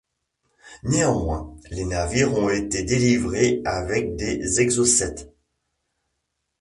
Néanmoins, les navires ont été délivrés avec des Exocet.